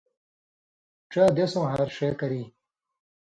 ڇا دیسؤں ہار ݜے کری۔